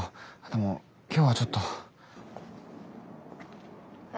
でも今日はちょっと。え？